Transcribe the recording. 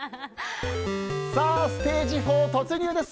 ステージ４突入です。